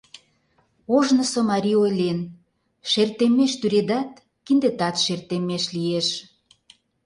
Ожнысо марий ойлен: «Шер теммеш тӱредат — киндетат шер теммеш лиеш...»